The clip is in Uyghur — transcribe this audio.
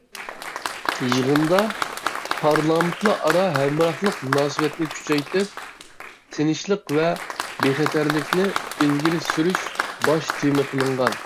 يىغىندا« پارلامېنتلار ئارا ھەمراھلىق مۇناسىۋەتنى كۈچەيتىپ، تىنچلىق ۋە بىخەتەرلىكنى ئىلگىرى سۈرۈش» باش تېما قىلىنغان.